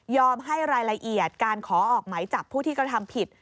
ยอมให้รายละเอียดการขอออกไหมจากผู้ที่ก็ทำผิด